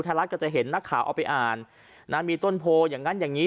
รัฐก็จะเห็นนักข่าวเอาไปอ่านนะมีต้นโพอย่างนั้นอย่างนี้